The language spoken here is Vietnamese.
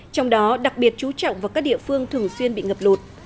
trong đó đặc biệt chú trọng vào các địa phương thường xuyên bị ngập lụt